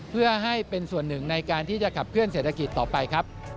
เพื่อให้เป็นส่วนหนึ่งในการที่จะขับเคลื่อเศรษฐกิจต่อไปครับ